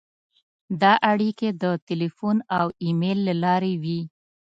دا اړیکې د تیلفون او ایمېل له لارې وې.